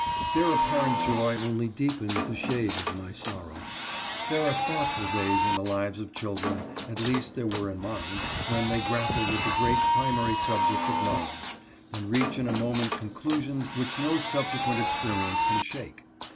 Their apparent joy only deepened the shades of my sor row. There are thoughtful days in the lives of children — at least there were in mine — when they grapple with the great primary subjects of knowledge, and reach in a moment conclusions which no subsequent experience can shake.